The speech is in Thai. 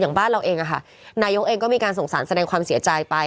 อย่างบ้านเราเองอะค่ะนายงก็มีการส่งสารแสดงความเสียใจไป